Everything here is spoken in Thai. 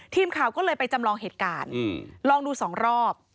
ทีมข่าวก็เลยไปจำลองเหตุการณ์ลองดูสองรอบ